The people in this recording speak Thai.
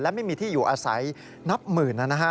และไม่มีที่อยู่อาศัยนับหมื่นนะฮะ